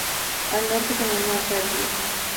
Al Norte con el Mar Caribe.